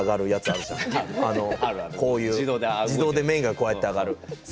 あのこういう自動で麺がこうやって上がる。